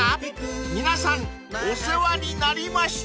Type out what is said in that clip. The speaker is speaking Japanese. ［皆さんお世話になりました］